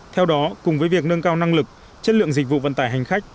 theo đó cùng với việc nâng cao năng lực chất lượng dịch vụ vận tải hành khách